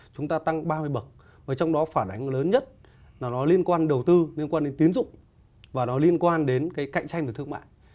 chúng ta tăng ba mươi bậc và trong đó phản ánh lớn nhất là nó liên quan đầu tư liên quan đến tín dụng và nó liên quan đến cái cạnh tranh về thương mại